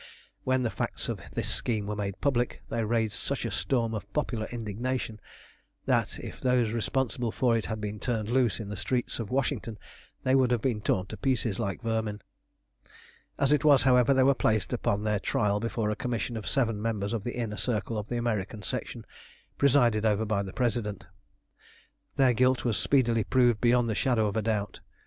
When the facts of this scheme were made public they raised such a storm of popular indignation, that if those responsible for it had been turned loose in the streets of Washington they would have been torn to pieces like vermin. As it was, however, they were placed upon their trial before a Commission of seven members of the Inner Circle of the American Section, presided over by the President. Their guilt was speedily proved beyond the shadow of a doubt.